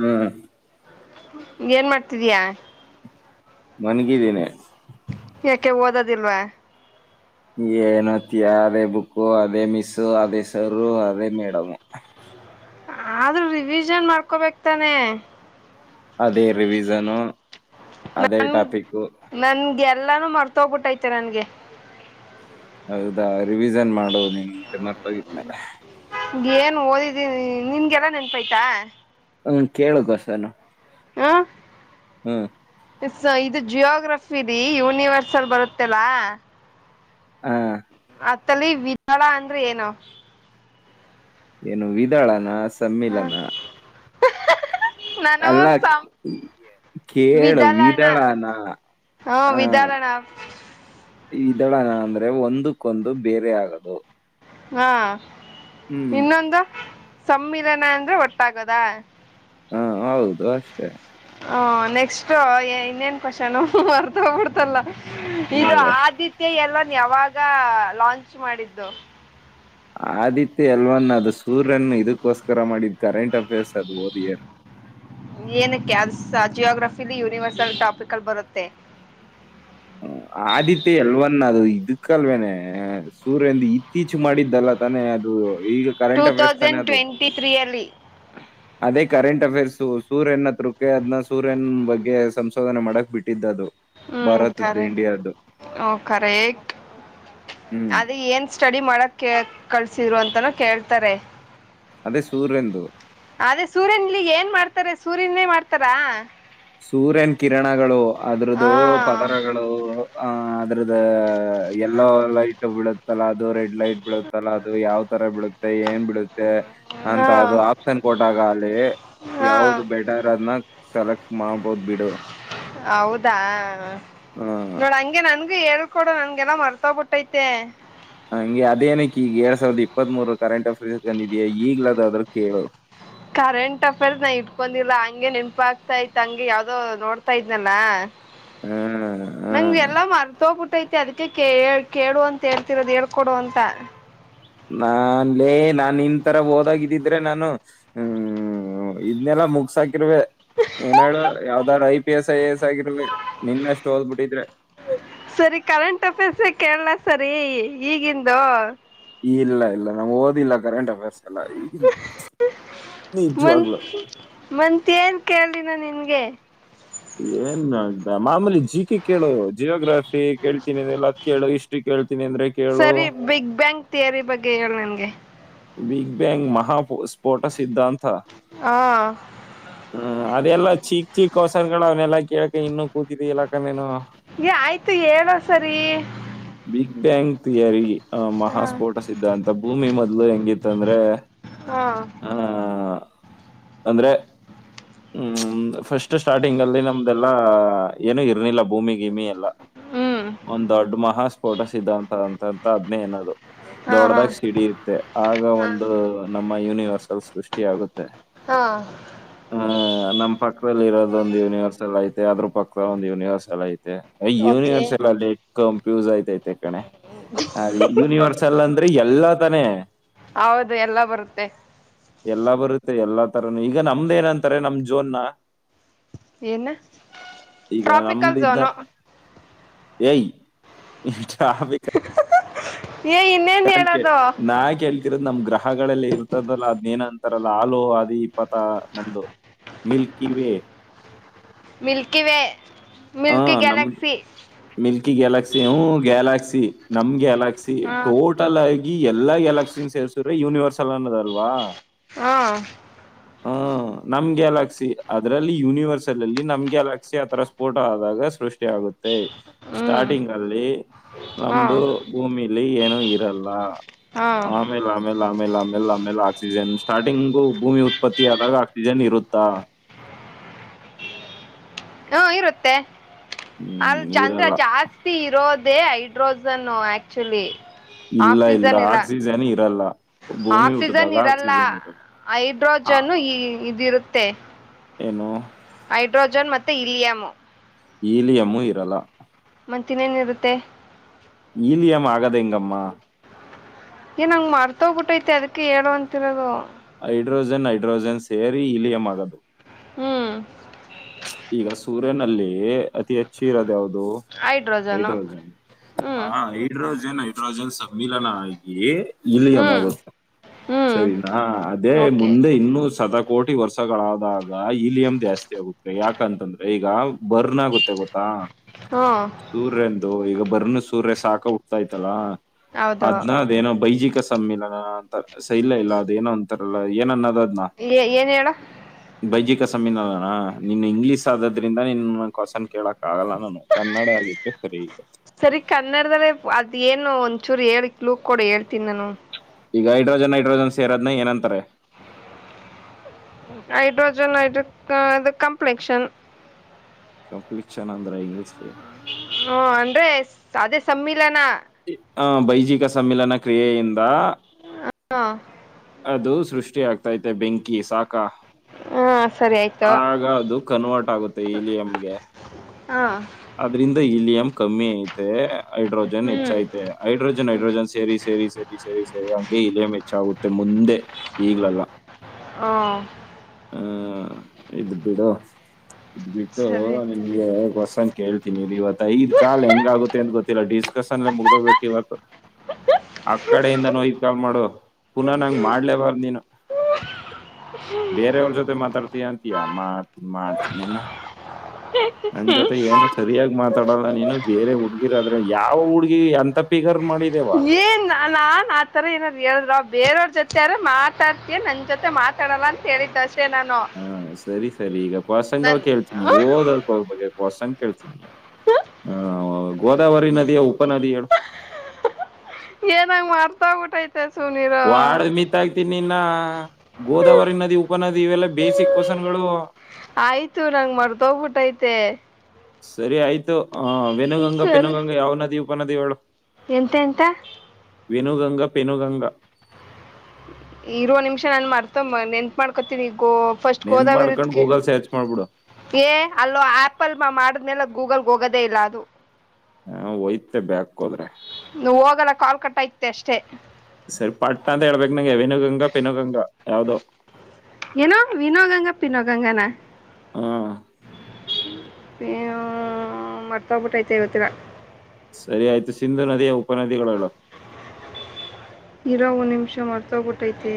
ಹ್ಮ್ ಏನ್ ಮಾಡ್ತಿದಯಾ ಮನ್ಗಿದ್ದೀನೆ ಯಾಕೆ ಓದದಿಲ್ವಾ ಏನುತ್ತಿಯಾ ಅದೇ ಬುಕ್ಕು ಅದೇ ಮಿಸ್ಸು ಅದೇ ಸರು ಅದೇ ಮೇಡಮು ಆದ್ರೂ ರಿವಿಷನ್ ಮಾಡ್ಕೊಬೇಕ್ತಾನೆ ಅದೇ ರಿವಿಷನು ಅದೇ ಟಾಪಿಕು ಎಲ್ಲಾನು ಮರ್ತ ಹೋಗ್ಬಿಟ್ಟೈತೆ ನನ್ಗೆ ಹೌದಾ ರಿವಿಷನ್ ಮಾಡೋದು ನೀನು ಮತ್ತ ಮಟ್ಟೋಗಿದ್ಮೇಲ ಏನ್ ಓದಿದೀನಿ ನಿನ್ಗೆಲ್ಲ ನೆನ್ಪಾಯ್ತಾ ಹ್ಮ ಕೇಳ್ ಕ್ಯೂಸಾಷನು ಹ ಹ್ಮ್ ಸ್ ಇದು ಜಿಯೋಗ್ರಫಿ ರೀ ಯೂನಿವರ್ಸ ಅಲ್ ಬರುತ್ತೆಲ್ಲ ಹ ಅತ್ತಲ್ಲಿ ವಿಧಾಳ ಅಂದ್ರೆ ಏನು ಏನು ವಿದಾಳನಸ್ ಸಮ್ಮಿಲನ ಹ್ಮ್. ನಾನು ಎಲ್ಲಾ ಸಂ ಕೇಳು ವಿದಳಣ ವಿಧಳಾನ ಹಾ ವಿಧಾಳನ ಅಂದ್ರೆ ಒಂದಕ್ಕೊಂದು ಬೇರೆ ಆಗೋದು ಹಾ ಹ್ಮ್ ಇನ್ನೊಂದು ಸಮ್ಮಿಲನ ಅಂದ್ರೆ ಒಟ್ಟಾಗದ ಹಾ ಹೌದು ಅಷ್ಟೇ ಹ ನೆಕ್ಸ್ಟ್ ಇನ್ನೇನು ಕ್ಯೂಸಾಷನ್ ಮತ್ರೋಹೋಗ್ಬಿಡ್ತಲ್ಲ ಇದು ನೋಡು ಆದಿತ್ಯ ಎಲ್ಲ ನೀ ಯಾವಾಗ ಲಾಂಚ್ ಮಾಡಿದ್ದು ಆದಿತ್ಯ ಎಲ್ವನ್ನ ಅದು ಸೂರ್ಯನ್ನು ಇದಕ್ಕೋಸ್ಕರ ಮಾಡಿದ್ದ ಕರೆಂಟ್ ಅಫೇರ್ಸ್ ಹೋದ್ ಇಯರ್ ಕ್ಯಾನ್ಸ ಜಿಯೋಗ್ರಫಿಲಿ ಯೂನಿವರ್ಸಲ್ ಟಾಪಿಕಲ್ಲಿ ಬರುತ್ತೆ ಕಲ್ವೇನೆ ಸೂರ್ಯಂದ ಇ ಇಚ್ ಮಾಡಿದ್ದಲ್ಲ ತಾನೆ ಅದು ಈಗ ಟೂ ಕರೆಂಟ್ ವ್ಯವಸ್ಥಾನೆ ತೌಸಂಡ್ ಅದು ಟ್ವೆಂಟಿ ತ್ರೀ ಅಲ್ಲಿ ಅದೇ ಕರೆಂಟ್ ಅಫೇರ್ಸ್ ಸೂರ್ಯನ್ ಹತ್ರಕ್ಕೆ ಅದನ್ನ ಸೂರ್ಯನ್ ಬಗ್ಗೆ ಸಂಶೋಧನೆ ಮಾಡಕ್ ಬಿಟ್ಟಿದ್ದ ಅದು ಭಾರತ ಮ್ಮ್ ಕರೇಟ್ ಹ್ಮ್ ಅದೆ ಏನ್ ಸ್ಟೇಡಿ ಮಾಡಕ್ಕೆ ಕಳ್ಸಿದ್ರು ಅಂತನ ಕೇಳ್ತಾರೆ ಅದೇ ಸೂರ್ಯರಂದು ಅದೇ ಸೂರ್ಯನ ಇಲ್ಲಿ ಏನ್ ಮಾಡ್ತಾರೆ ಸೂರ್ಯನೇ ಮಾಡ್ತಾರಾ ಸೂರ್ಯನ ಕಿರಣಗಳು ಹ ಅದ್ರ್ದು ಪದರಗಳು ಆ ಅದ್ರದ ಎಲ್ಲೊ ಲೈಟ್ ಬಿಲ್ತ್ ಅಲ್ಲಅದು ರೆಡ್ ಲೈಟ್ ಬೀಳುತ್ತಲ್ಲಾ ಅದು ಯಾವ ತರ ಬೀಳುತ್ತೆ ಏನ್ ಬಿಳುತ್ತೆ ಅಂತ ಅದು ಹ ಆಪ್ಷನ್ಸ್ ಕೊಟ್ಟಾಗ ಅಲ್ಲಿ ಹ ಯಾವ್ದ ಬೆಟರ್ ಅದ್ನ್ನ ಸೆಲೆಕ್ಟ್ ಮಾಡಬಹುದು ಬಿಡು ಹೌದಾ ಹ್ಮ್ [unintelligible] ನೋಡ ಹಂಗೆ ನನ್ ನಿನ್ನೆ ಹೇಳ್ಕೊಡ ನನ್ಗೆಲ್ಲಾ ಮರ್ತೋಬಿಟ್ಟೈತೆ ಹ ಹಂಗೆ ಅದೇನಕ್ಕೆ ಈಗ ಎರಡ್ ಸಾವಿರದ್ದು ಇಪ್ಪತ್ ಮೂರ ಕರೆಂಟ್ ಆಫೇರ್ಸ್ ಬಂದಿದ್ಯಾ ಈಗ್ಲಾದ ಅದ್ರೂ ಕೇಳು ಕರೆಂಟ್ ಅಫೇರ್ಸ್ ನಾ ಇಟ್ಕಂದಿಲ್ಲಾ ಹಂಗೆ ನೆನಪ ಹಾಕ್ತಾ ಇತ ಹಂಗೆ ಯಾವ್ದೋ ನೋಡ್ತಾ ಇದ್ನಲ್ಲ ಹ್ಮ್ ನಂಗ್ ಹ್ಮ್ ಎಲ್ಲ ಮರ್ತೋಗ್ಬುಟ್ ನೆನಪು ಅಐತಿ ಅದಕ್ಕೆ ಕೇಳು ಅಂತ ಹೇಳ್ತಿರೋದು ಹೇಳ್ಕೊಡು ಅಂತ ನಾನ್ಲೇ ನಾನ್ ನೀನ್ ತರ ಓದಾಗಿದ್ದಿದ್ರೆ ನಾನು ಹ್ಮ್ ಇದ್ನೆಲ್ಲ ಮುಗಸಾಕ [unintelligible] ಏನ್ ಹೇಳು ಯಾವ್ದ I P S I S ಆಗಿರುವೆ ನಿನ್ನಷ್ಟು ಹೋದ್ಬಿಟ್ಟಿದ್ರೆ ಸರಿ ಕರೆಂಟ್ ಅಫೇರ್ಸ್ ಕೇಳಲಾ ಸರಿ ಈಗಿಂದು ಇಲ್ಲ ಇಲ್ಲ ನಮ್ ಓದಿಲ್ಲ ಕರೆಂಟ್ ಆಫರ್ಸ್ ಮತ್ ನಿಜವಾಗ್ಲು ಮತ್ಹೇನ್ ಕೇಳಿ ನಾ ನಿನಗೆ ಏನ್ [unintelligible] ಮಾಮೂಲಿ ಜಿ ಕೆ ಕೇಳು ಜಿಯೋಗ್ರಫಿ ಕೇಳ್ತೀನಿ ಅಂದಲ್ಲ ಕೇಳು ಹಿಸ್ಟ್ರಿ ಕೇಳ್ತೀನಿ ಅಂದ್ರೆ ಕೇಳು ಸರಿ ಬಿಗ್ ಬ್ಯಾಂಗ್ ಥಿಯರಿ ಬಗ್ಗೆ ಹೇಳು ನನ್ಗೆ ಬಿಗ್ ಬ್ಯಾಂಗ್ ಮಹಾ ಸ್ಫೋಟ ಸಿದ್ಧಾಂತ ಹಾ ಹ್ಮ್ [inaudible] ಅದೆಲ್ಲ ಚೀಕ್ ಚೀಕ್ ಕೋಶನ್ಗಳು ಅವನ್ನೆಲ್ಲ ಕೇಳಕ್ಕೆೆ ಇನ್ನುೂ ಕೂತಿದೆ ಇಲ್ಲ ಮತ್ತೇನು ಏ ಆಯ್ತು ಹೇಳೋ ಸರಿ ಬಿಗ್ ಬ್ಯಾಂಗ್ ಥಿಯರಿ ಆ ಹಾ ಮಹಾಸ್ಫೋಟ ಸಿದ್ಧಾಂತ ಭೂಮಿ ಮೊದಲು ಹೆಂಗಿತ್ತು ಅಂತಂದ್ರೆ [unintelligible] ಹಾ [inaudible] ಅಂದ್ರೆ ಹ್ಮ ಫಸ್ಟ್ ಸ್ಟಾರ್ಟಿಂಗ್ ಅಲ್ಲಿ ನಮ್ದಲ್ಲ ಏನು ಇರ್ಲಿಲ್ಲ ಭೂಮಿ ಗೀಮಿ ಎಲ್ಲ ಹ್ಮ್ ಒಂದ್ ದೊಡ್ ಮಾಹ ಸ್ಫೋಟ ಸಿದ್ಧಾಂತ ಅಂತಂತ ಅದ್ನೇ ಅನ್ನೋದು ಹಾ ಹಾ ದೊಡ್ಡದಾಗ ಸಿಡಿಯುತ್ತೆ ಆಗ ಹಾ ಒಂದು ನಮ್ಮ ಆ ಯೂನಿವರ್ಸಲ್ ಸೃಷ್ಟಿಯಗುತ್ತೆ. ಹಾ ನಂಪಕ್ ಇೋ ಒಂದು ಯನರ್ಸಲ್ ಆಯತು ಅದ್ರ ಪಕ್ಕದ ಒಂದು ಯನಿವರ್ಸ್ಲ್ ಐತೆ ಐ ಓಕೆ ಯೂನಿವೇರ್ಸಲ್ ಅಲ್ಲಿಕ್ಕಂ ಯೂಸುಆಯ್ತ್ ತೈ ತೈ ತೇ ಕನೆ ಅದ ಯೂನಿವರ್ಸ ಅಲ್ ಅಂದ್ರೆ ಎ ಎಲ್ಲಾ ತಾನೇ ಹೌದು ಎಲ್ಲ ಬರುತ್ತೆ ಾರನು ಈಗ ನಮ್ದ ಏನಂತಾರೆ ನಮ್ ಜೋನ್ ನ ಏನ ಟ್ರಾಪಿಕಲ್ ಜೋನು ಏಯ ಹಮ್ [unintelligible] ಚಹ ಬೇಕ ಏ ಇನ್ನೇನ್ ಕ ಹೇಳೋದು ನಾ ಕೇಳ್ತಿರದ್ ನಮ್ ಗ್ರಹಗಳಲ್ಲ ಇರ್ತದಲ್ಲ ಅದ್ನೇನ ಂತರಲ್ಲ ಆಲೋ ಆದಿ ಪತ ನಮ್ದು ಮಿಲ್ಕ ವೇ ಮಿಲ್ಕಿ ವೇ ಹ ಮೀಲ್ಕಿ ನಮ್ದು ಗ್ಯಾಲಕ್ಸಿ ಮಿಲ್ಕಿ ಗ್ಯಾಲಾಕ್ಸಿ ಗ್ಯಾಲಾಕ್ಸಿ ನಮ್ ಗ್ಯಾಲಾಕ್ಸಿ ಕ್ಸಿ ಹಾ ಟೋಟಲ್ ಆಗಿ ಎಲ್ಲ ಗ್ಯಾಲಕ್ಸಿನು ಸೇಸ್ರದ್ರೆ ಯೂನಿವ ಸಲಾನದ್ರೆ ಅಲ್ವಾ ಹಾ ಹ ನಮ್ ಗ್ಯಾಲಾಕ್ಸಿ ಅದರಲ್ಲಿ ಯೂನಿವರ್ಸ್ ಅಲ್ ಅಲ್ಲಿ ನಮ್ ಗ್ಯಾಲಾಕ್ಸಿ ಆಥರ ಸ್ಫೋಟ ಆದಾಗ ಸೃಷ್ಟಿ ಆಗುತ್ತೆ ಹ್ಮ್ ಸ್ಟಾರ್ಟಿಂಗ್ ಅಲ್ಲಿ ಹಾ ನಮ್ದು ಭೂಮಿಲಿ ಏನು ಇರಲ್ಲ ಹಾ ಆಮೇಲೆ ಆಮೇಲೆ ಆಮೇಲೆ ಲ್ಲ ಆಮೇಲೆ ಆಕ್ಸಿಜನ್ ಸ್ಟಾರ್ಟಿಂಗು ಭೂಮಿ ಉತ್ಪತ್ತಿ ಆದಾಗ ಆಕ್ಸಿಜನ್ ಇರುತ್ತ ಹಾ ಇರುತ್ತೆ ಅಲ್ ಹ್ಮ್ ಜಂದ್ರ ಇರಲ್ಲ ಜಾಸ್ತಿ ಇರೋದು ಅೇ ಹೈಡ್ರೋಜನ್ನು ಆಕ್ಚುಲಿ ಇಲ್ಲ ಆಕ್ಸಿಜನ್ ಇಲ್ಲ ಆಕ್ಸಿಜನ್ ಇರಲ್ಲ ಭೂಮಿ ಆಕ್ಸಿಜನ್ ಹುಟ್ಟಿದಾಗ ಇರಲ್ಲ ಆಕ್ಸಿಜನ್ ಇರಲ್ಲ ಆ, ಹೈಡ್ರೋಜನ್ ಈ ಇದಿರುತ್ ತ್ತೆ ಏನು ಹೈಡ್ರೋಜನ್ ಮತ್ತೆ ಇಲಿಯಮ್ ಈಲಿಯಮು ಇರಲ್ಲ ಮತ್ತನ್ನೇನಿರುತ್ತೆ ಇಲಿಯಮ್ಮ ಆಗದ ಹಿಂಗಮ್ಮ ಏ ನಂಗ ಮರ್ತೋಗ್ಬಿಟ್ಟೈತೆ ಅದಕ್ಕೆ ಹೇಳುವ ಅಂತಿರೋದು ಹೈಡ್ರೋಜನ್ ೈಡ್ರೋಜನ್ ಸೇರಿ ಇಲಿಯಂ ಆಗದು ಹ್ಮ್ ಈಗ ಸೂರ್ಯನಲ್ಲಿ ಅತಿ ಹೆಚ್ಚಿ ಇರೋದು ಯಾವದು ಹೈಡ್ರೋಜನು ಹೈಡ್ರೋಜನ್ ಹ ಹ್ಮ್ ಹೈಡ್ರೋಜನ್ ನೈಡ್ರೋಜನ್ ಸ ಸಮ್ಮಿಲನ ಆಗಿ ಇಲ್ಲಿ ಹ್ಮ್ ಯಮಗುತ್ತ ಹ್ಮ್ ಸರಿನಾ ಅದೇ ಓಕೆ ಮುಂದೆ ಇನ್ನುೂ ಸತ ಕೋಟಿ ವರ್ಷಗಳಾದಾಗ ಈಲಿಯಂ ಜಾಸ್ತಿ ಆಗುತ್ತೆ ಯಾಕಂತಂದ್ರೆ ಈಗ ಬರ್ನ್ ಆಗುತ್ತೆ ಗೊತ್ತಾ ಹ್ಮ್ ಸೂರ್ಯಂತ ಈಗ ಬರ್ನ್ ಸೂರ್ಯ ಸಾಕ ಉಟ್ತಾಾಯ್ತಲ್ಲ ಹೌದು ಅದ್ನದೇನೋ ಬೈಜಿಕ್ ಸಮ್ಮಿಲನ ಅಂತ ಸ ಇಲ್ಲ ಇಲ್ಲ ಅದ ಏನೋ ಅಂತಾರಲ್ಲ ಏನನ್ನದ ಏನ್ ಹೇಳ ಸಮ್ಮೀನಾನ ನಿನ್ ಇಂಗ್ಲೀಷ್ ಆದದ್ರಿಂದ ನೀನ್ನ್ ಕ್ವನ್ ಕೇಳಕ್ ಆಗಲ್ಲ ನಾನು ಕನ್ನಡ ಆಗಿದ್ದೆ ಸರಿ ಇಗ ಸರಿ ಕನ್ನಡದಲ್ಲೇ ಅದ್ ಏನು ಒಂದ್ಚೂರು ಹೇಳಿಕ್ ಲೂಕ್ ಕೊಡ ಹೇಳ್ತೀನಿ ನಾನು ಈಗ ಹೈಡ್ರೋಜನ್ೈಡೋಜನ್ ಸೇರದ್ ಏನಂತಾರೆ ಹೈಡ್ರೋಜನ್ೈ ಇದು ಕಂಪ್ಲೆಕ್ಷನ್ ಕಂಪ್ಲೀಟ್ ಚೆನ ಅಂದ್ರ ಇಂಗ್ಲೀಷ್ ಹ ಅಂದ್ರೆ ಅದೇ ಸಮಿ ಬಲನ ವೈಜಿಕ ಸಮ್ಮಿಲನ ಕ್ರಿಯಿಂದ ಾ [unintelligible] ಅದು ಸೃಷ್ಟಿ ಆಗ್ತೈತೆ ಬೆಂಕಿ ಸಾಕು ಅ ಹಾ ಸರಿ ಆಯ್ತು ಆಗೌದು ಕನ್ವರ್ಟ್ ಆಗುತ್ತೆ ಈಲಿಯಂಗೆ ಹಾ ಅದ್ರಿಂದ ಇಲಿಯಂ್ ಕಮ್ಮಿ ಆಯತು ಹೈಡ್ರೋಜನ್ ಹ್ಮ್ ಹೆಚ್ಚಐತೆ ಹೈಡ್ರೋಜನ್ ಹೈಡ್ರೋಜನ್ ಸೇರಿ ಸೇರಿ ಸರಿ ಸರಿ ಸರಿ ಹಂಗೆ ಇಲ್ಲೇ ಮೆ ಹೆಚ್ಚಾಗುತ್ತೆ ಮುಂದೆ ಈಗ್ಲಲ್ಲ ಹ ಹ ಇದು ಬಿಡ ಇದ್ ಬಿಟ್ಟು ಸರಿ ನನ್ಗೆ ವಸನ್ ಕೇಳ್ತೀನಿ ಇಲ್ಲಿ ಇವತ್ತು ಐದ್ ಕಾಲ್ ಹೆಂಗ ಆಗುತ್ತೆ ಅಂತ ಗೊತ್ತಿಲ್ಲ ಡಿಸ್ಕಸನ್ ಮುಗ್ದೋಗ್ಬೇಕು ಇವತ್ತು ಆ ಕಡೆಯಿಂದ ನೋಯತ್ ಕಾಲ್ ಮಾಡು ಪುನಃ ನಂಗ ಮಾಡ್ಲೇಬಾರ್ದ ನೀನು [inaudible] ಬೇರೆಯವ್ರ ಜೊತೆ ಮಾತಾಡ್ತಿ ಅಂತಯಾ ಮಾಡ್ತಿ ಮಾಡ್ತನನಾ ಹ್ಮ್ ಡಲ್ಲ ನೀನು ಬೇರೆ ಹುಡ್ಗಿರ ಆದ್ರೆ ಯಾವ ಹುಡ್ಗಿ ಎಂತ ಪಿಗರ್ ಮಾಡಿ ಏನ್ ನಾನ್ ಆತರ ಏನಾದ್ ಹೇಳಿರಾ ಬೇರವ್ರ ಜೊತೆ ಯಾರ ಮಾತಾಡ್ತೀಯಾ ನನ್ ಜೊತೆ ಮಾತಾಡಲ್ಲ ಅಂತ ಹೇಳಿದ ಅಸ ಸ್ಟೇ ನಾನು ಹಾ ಸರಿ ಸರಿ ಈಗ ಕೊಷನಗಳ ನನ್ ಕೇಳ್ತೀಿನಿ ಓದೋದ ಹೋಗಬೇಕ ಕೋಶನ್ ಕೇಳ್ತೀನಿ ಹೇಳ ಗೋದಾವರಿ ನದಿಯ ಉಪ ನದಿ ಹೇಳು ಏನಂಗ್ ಮತ್ತೊಗಬಿಟ್ಟೈತ ವಾಡ್ ಮಿತ್ ಆಗ್ತನಿ ನಿನ್ನ ಹಾ ಗೋದಾವರಿ ನದಿ ಉಪನದಿ ಇವೆಲ್ಲ ಬೇಸಿಕ್ ಕ್ವಶನ್ ಗಳು ಆಯ್ತು ನಂಗ್ ಮರ್ತೋಗ್ಬಿಟ್ಟೈತೆ ಸರಿ ಆಯ್ತು ಹ ವೆನುಗಂಗಾ ಸರಿ ಪೆನುಗಂಗಾ ಯಾವ್ ನದಿ ಉಪನದಿಗಳು ಎಂತ ಎಂತ ವೆನುಗಂಗಾ ಪೆನುಗಂಗಾ ಇರು ಒಂದ್ ನಿಮಿಷ ನಾನ್ ಮರ್ತು ನೆನ್ತ್ ಮಾಡ್ಕೋತೀನಿ ಫಸ್ಟ್ ನೆನ್ ಮಾಡ್ಕೊಂಡು ಗೋದಾವರಿದಕೆ ಗೂಗಲ್ ಸರ್ಚ್ ಮಾಡ್ಬಿಡು ಏ ಹಲ್ಲೋ ಆ್ಯಪಲ್ ಮಾಮ ಮಾಡ್ಕೊ ಆದ್ಮೇಲೆ ಗೂಗಲ್ಗೆ ಹೋಗೋದೇ ಇಲ್ಲ ಅದು ಹ ಒಯ್ತ ಬ್ಯಾಕ್ ಹೋದ್ರೆ ನೀ ಹೋಗಲ್ಲ ಕಾಲ್ ಕಟ್ಟ ಆಗತ್ ಅಷ್ಟೇ ಸರಿ ಪಟ್ ಅಂತ ಹೇಳ್ಬೇಕು ನಂಗೆ ವೆನುಗಂಗ ಪೆನುಗಂಗ ಯಾವ್ದೋ ಏನೋ ವಿನೋಗಂಗಾ ಪಿನೋಗಂಗಾ ನ ಹಾ ಏ ಮರ್ತೋಗ್ಬಿಟ್ಟುೈತೆ ಇ ಗೊತ್ತರ ಸರಿ ಆಯ್ತು ಸಿಂಧು ನದಿಯ ಉಪನದಿಗಳ ಹೇಳು ಇರೋ ನಿಮಿಷ ಮಾಡರ್ತ್ಬಿಟ್ಟೈತೆ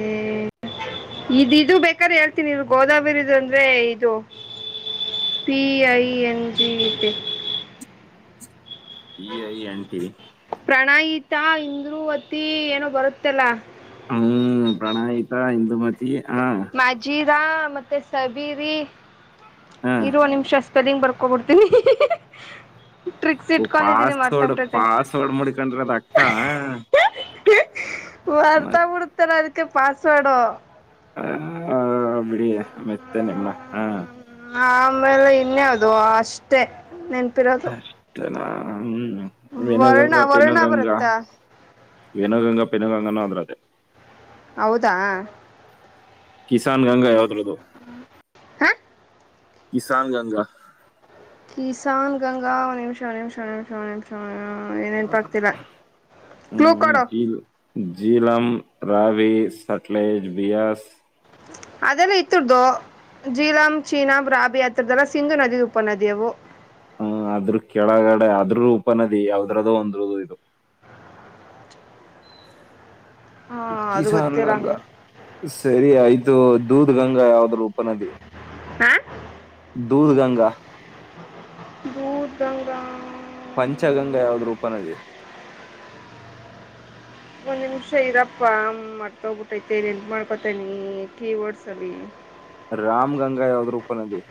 ಇದ ಇದು ಬೇಕಾದ್ರೆ ಹೇಳ್ತನಿ ಇ ಗೋದಾವರಿದು ಅಂದ್ರೆ ಇದು ಪಿ ಐ ಎನ್ ಜಿ ಐತೆ ಈ ಐ ಆಂಟಿ ತ್ತಾ ಇಂದ್ರು ಅತಿ ಏನೋ ಬರುತ್ತಲ್ಲ ಹ್ಮ್ ಪ್ರಣಾಯಿತಾ ಇಂದುಮತಿ ಹಾ ಮಾಜಿ ರ ಮತ್ತೆ ಸಬೀರಿ ಹಾ ಇರು ಒಂದ್ ನಿಮಿಷ ಸ್ಪೆಲ್ಲಿಂಗ್ ಬರ್ಕೊಬಿಡ್ತೀನಿ ಟ್ರಿಕ್ಸ್ ಓ ಇಟ್ಕೊಂಡಿದ್ದೀನಿ ಪಾಸ್ವರ್ಡ್ ಮರ್ತಾಬಿಟ್ಟೈತೆ ಪಾಸ್ವರ್ಡ್ ಮುಡಕೊಂಡ್ರ ಅದ ಅಕ್ಕ ಪಾಸ್ವಡ ಹ ಬಿಡಿ ಮೆತ್ತ ನಿಮನ ಹಾ ಆಮೇಲೆ ಇನ್ನೇ ಹದು ಅಷ್ಟೇ ನಿ ಅತನ ಹ ವರ್ಣ ವರ್ಣಾಪರತ್ತ ಪಿನಗಂಗಾ ಪಿನಗಂಗನ ಅದ್ರದ ಹೌದಾ ಕಿಸಾನ್ ಗಂಗಾ ಯಾವ್ದ್ರದ್ದದು ಹಾ ಕಿಸಾನ ಗಂಗಾ ಕೀಿಸನ್ ಗಂಗಾ ನಿಮಷಾನ ನಿಮಿಷಾನ ನಿಮಿಷ ನಿಮಷಾನ ಹ್ಮ್ ಕೊಡು ಜಿಲ್ಲಾಮ ರವಿ ಸಟ್ಲೇಜ್ ಬಿಯಾಸ್ ಅದೆಲ್ಲ ಇತ್ತರದದುು ಜೀಲಂ ಚೀನಾಂ ರಾಬಿ ಅತ್ತರದ್ದೆಲ್ಲಾ ಸಿಂಧು ನದಿ ಉಪನದಿಯವು ಹ್ಮ ಆದ್ರೂ ಕೆಳಗಡೆ ಆದದ್ರ ಉಪನದಿ ಯಾವದ್ರದದು ಒಂದ್ರದು ಇದು ಹಾ ಅದು ಕಿಸಾನ ಗೊತ್ತಿಲ್ಲ ಗಂಗ ಹಂಗೆ ಸರಿ ಆಐದು ಇದು ದೂದ್ ಗಂಗಾ ಯಾವ್ದ್ರೂ ಉಪನದಿ ಹ ದೂಧ ಗಂಗಾ ಬದ ರಂಗ ರಾಮ್ ಪಂಚಗಂಗಾ ಯಾವ್ದ್ ರೂಪನದಿ ಒಂದ್ ನಿಮಿಷ ಇರಪ್ಪಾ ಮರ್ತೋಗ್ಬಿಟ್ಟೈತೆ ನ್ ಎಂತ ಮಾಡ್ಕೊತೇನಿ ಕೀ ಓಡ್ಸರಿ ರಾಮ್ ಗಂಗಾ ಯಾವದ್ ಉಪನದಿ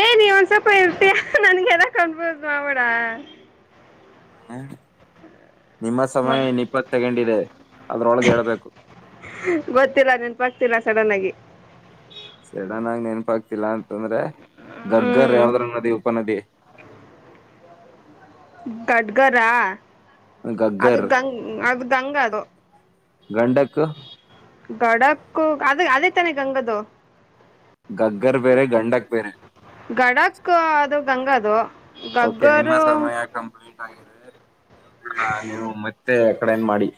ಏ ನೀ ಒಂದ್ ಸ್ವಲ್ಪ ಇರ್ತೀಯಾ ನನ್ಗೆ ಎದ ಕನ್ಬೋದು ಆಡ ಹಾ ನಿಮ್ಮ ಸಮಯ ಮ- ಇನ್ ಇಪ್ಪತ್ ಸೆಕೆಂಡ್ ಇದೆ ಅದ್ರೊಳಗೆ ಹೇಳ್ಬೇಕು ಬ್ತಿರಾ ಸಡನ್ ಆಗಿ ಸಡನ್ ಆಗಿ ನೆನಪಾಗಗ್ತಿಲ್ಲ ಅಂತಂದ್ರೆ ಗಗ್ಗರ್ ಹ್ಮ್ ಯಾಾವದ್ರ ನದಿ ಉಪನದಿ ಗಡ್ಗರಾ ಅದು ಗಗ್ಗರ್ ಗಂಗ ಅದು ಗಂಗ ಅದದು ಗಂಡಕ್ಕ ಗಡಕ್ಕು ಅದ ಅದೇ ತಾನ ಗಂಗದು ಗಗ್ಗರ್ ಪೇರೆ ಗಂಡಕ್ ಪೇರೆ ಡಕ್ ಅದು ಗಂಗದು ಓಕೆ ನಿಮ್ಮ ಗಗ್ಗರು ಸಮಯ ಕಂಪ್ಲೀಟ್ ನೀವು ಮತ್ತೆ ಕಡೆನ್ ಮಾಡಿ